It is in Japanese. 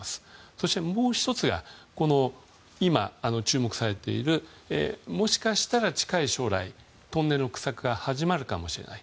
そして、もう１つが注目されているもしかしたら近い将来トンネルの掘削が始まるかもしれない。